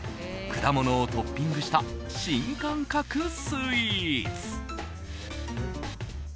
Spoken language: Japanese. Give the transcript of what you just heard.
果物をトッピングした新感覚スイーツ。